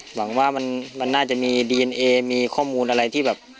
หวังว่ามันน่าจะมีดีเอนเอมีข้อมูลอะไรที่แบบ